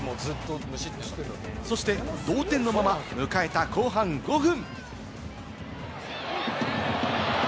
そして同点のまま迎えた後半５分。